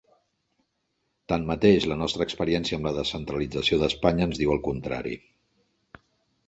Tanmateix, la nostra experiència amb la descentralització d’Espanya ens diu el contrari.